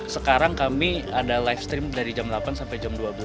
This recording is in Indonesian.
sekarang kami ada live stream dari jam delapan sampai jam dua belas